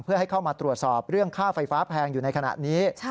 เพื่อให้เข้ามาตรวจสอบเรื่องค่าไฟฟ้าแพงอยู่ในขณะนี้